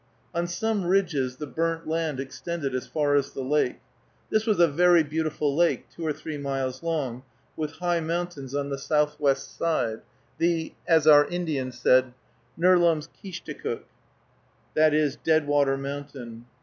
On some ridges the burnt land extended as far as the lake. This was a very beautiful lake, two or three miles long, with high mountains on the southwest side, the (as our Indian said) Nerlumskeechticook, i. e., Deadwater Mountain.